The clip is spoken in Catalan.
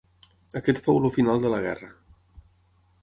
Aquest fou el final de la guerra.